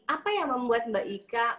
apa yang membuat mbak ika